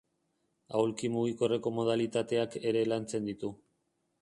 Aulki mugikorreko modalitateak ere lantzen ditu.